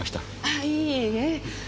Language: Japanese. あいいえ。